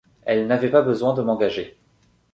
il n'avait pas besoin de m'engager».